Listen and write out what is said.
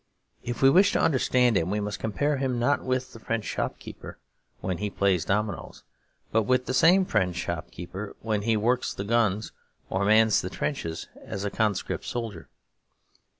If we wish to understand him, we must compare him not with the French shopkeeper when he plays dominoes, but with the same French shopkeeper when he works the guns or mans the trenches as a conscript soldier.